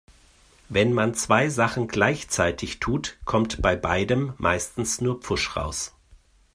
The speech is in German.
Wenn man zwei Sachen gleichzeitig tut, kommt bei beidem meistens nur Pfusch raus.